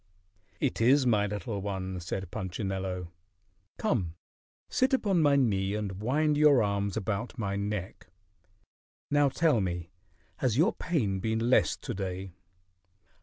"It is, my little one," said Punchinello. "Come sit upon my knee and wind your arms about my neck. Now tell me, has your pain been less to day?"